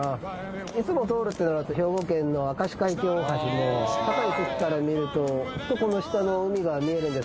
いつも通るってなると兵庫県の明石海峡大橋も高い席から見るとこの下の海が見えるんです